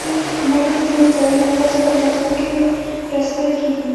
د نړۍ ځینې ځایونه یوازې په الوتکو کې رسیدل کېږي.